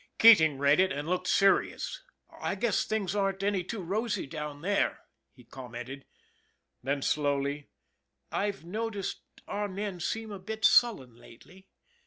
Keating read it and looked serious. " I guess things aren't any too rosy down there," he commented ; then slowly :" I've noticed our men seemed a bit sullen lately.